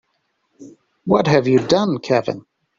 What have you done Kevin?